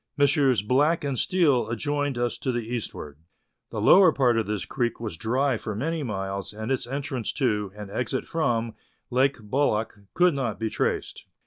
Messrs. Black and Steele adjoined us to the eastward. The lower part of this creek was dry for many miles, and its entrance to, and exit from, Lake Bolac could not be traced.